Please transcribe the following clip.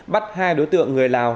bắt hai đối tượng người lào